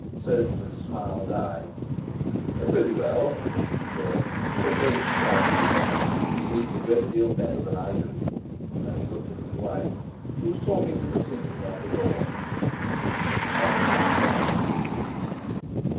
Soames's smile died. "Pretty well," he said. "Complains she can't sleep; she sleeps a great deal better than I do," and he looked at his wife, who was talking to Bosinney by the door. Aunt Ann sighed.